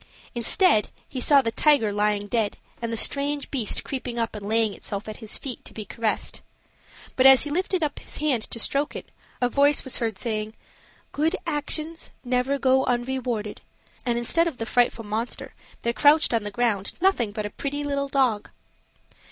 Instead, he saw the tiger lying dead, and the strange beast creeping up and laying itself at his feet to be caressed. But as he lifted up his hand to stroke it, a voice was heard saying, "Good actions never go unrewarded;" and instead of the frightful monster, there crouched on the ground nothing but a pretty little dog.